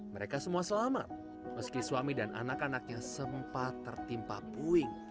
mereka semua selamat meski suami dan anak anaknya sempat tertimpa puing